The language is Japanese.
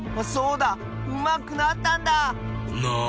そうだうまくなったんだ！な。